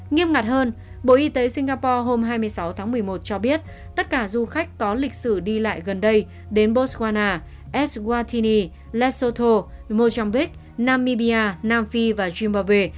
nghiêm ngặt hơn bộ y tế singapore hôm hai mươi sáu tháng một mươi một cho biết tất cả du khách có lịch sử đi lại gần đây đến botswana eswattiniesoto mozambique namibia nam phi và zimbawe